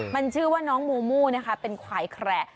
มันชื่อว่าน้องมูมูนะคะเป็นควายแคระ